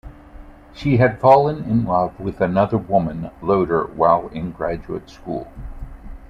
She had fallen in love with another woman, Loder, while in graduate school.